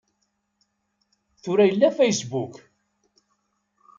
Tura yella Facebook!